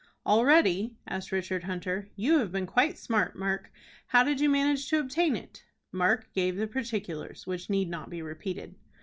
"Already?" asked Richard Hunter. "You have been quite smart, Mark. How did you manage to obtain it?" Mark gave the particulars, which need not be repeated.